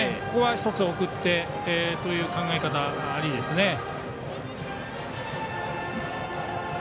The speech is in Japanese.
ここは１つ送ってという考え方いいですね。